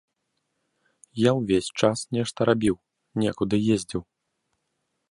Я ўвесь час нешта рабіў, некуды ездзіў.